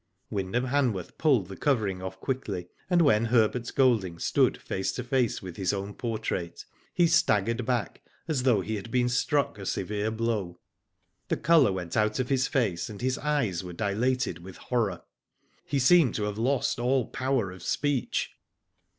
Wyndham. Han worth pulled the covering off quickly, and when Herbert Golding stood face to face with his own portrait he staggered back as though he had been struck a severe blow. The colour went out of his face, and his eyes were dilated with horror. He seemed to have lost all power of speech.